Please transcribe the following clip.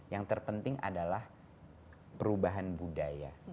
yang terpenting adalah perubahan budaya